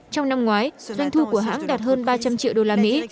trong năm ngoái doanh thu của hãng đạt hơn ba trăm linh triệu đô la mỹ